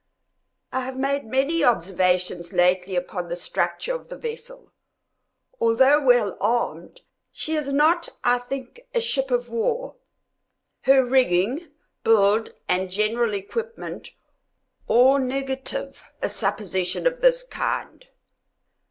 I have made many observations lately upon the structure of the vessel. Although well armed, she is not, I think, a ship of war. Her rigging, build, and general equipment, all negative a supposition of this kind.